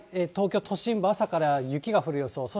東京都心部、朝から雪が降る予想。